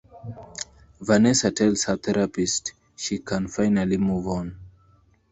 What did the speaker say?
Vanessa tells her therapist she can finally move on.